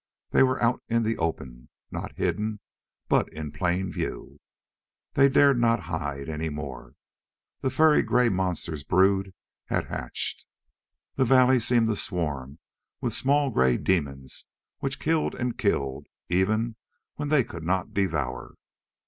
They were out in the open not hidden but in plain view. They dared not hide any more. The furry gray monster's brood had hatched. The valley seemed to swarm with small gray demons which killed and killed, even when they could not devour.